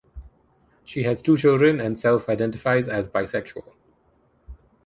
She has two children and self-identifies as bisexual.